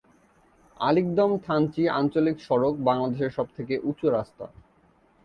আলিকদম-থানচি আঞ্চলিক সড়ক বাংলাদেশের সবথেকে উঁচু রাস্তা।